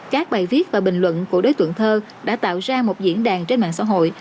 các bài viết và bình luận của đối tượng thơ đã tạo ra một diễn đàn trên mạng xã hội